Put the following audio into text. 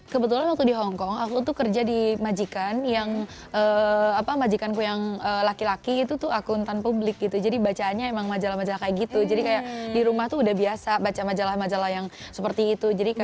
kebetulan waktu di hongkong aku tuh kerja di majikan yang apa majikanku yang laki laki itu tuh akuntan publik gitu jadi bacaannya emang majalah majalah kayak gitu jadi kayak di rumah tuh udah biasa baca majalah majalah yang seperti itu